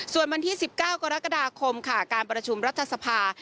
ส่วนวันที่๑๙กรกฎาคมค่ะการประชุมรัฐสภา